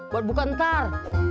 buat buka ntar